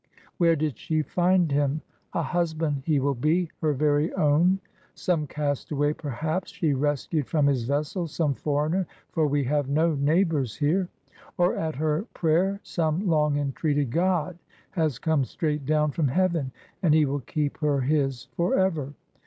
Where did she find him? A husband he will be, her very own. Some castaway, perhaps, she rescued from his vessel, some foreigner; for we have no neighbors here. Or at her prayer some long entreated god has come straight down from heaven, and he will keep her his forever.